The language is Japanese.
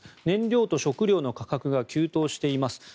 燃料と食料の価格が急騰しています。